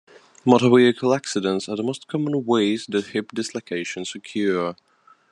Motor vehicle accidents are the most common ways that hip dislocations occur.